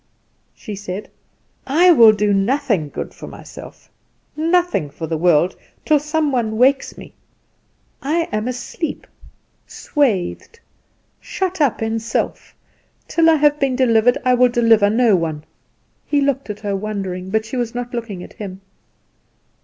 she said. "I will do nothing good for myself, nothing for the world, till some one wakes me. I am asleep, swathed, shut up in self; till I have been delivered I will deliver no one." He looked at her wondering, but she was not looking at him.